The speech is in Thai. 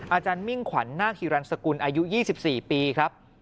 อาจารย์มิ่งขวัญนาธิรันดิ์สกุลอายุ๒๔ปีครับ